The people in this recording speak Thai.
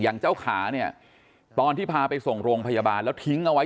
อย่างเจ้าขาเนี่ยตอนที่พาไปส่งโรงพยาบาลแล้วทิ้งเอาไว้